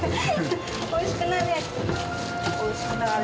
おいしくなれ。